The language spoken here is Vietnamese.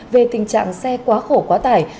về tình trạng xe quá khổ quá tải